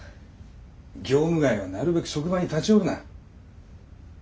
業務外はなるべく職場に立ち寄るな。